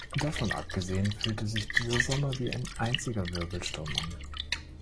Davon abgesehen, fühlte sich dieser Sommer wie ein einziger Wirbelsturm an.